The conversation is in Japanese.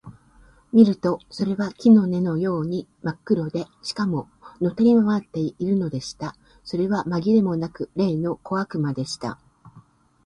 見るとそれは木の根のようにまっ黒で、しかも、のたくり廻っているのでした。それはまぎれもなく、例の小悪魔でした。